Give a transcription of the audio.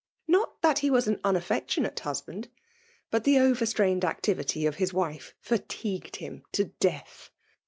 Not that he was an unaffectionate husband ; but the overstrained activity of his wife fatigued him to death.